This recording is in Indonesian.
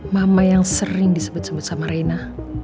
mama yang sering disebut sebut sama reina